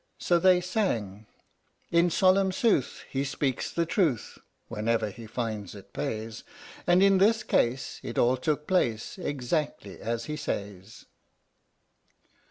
So they sang : In solemn sooth He speaks the truth (Whenever he finds it pays), And in this case It all took place Exactly as he says!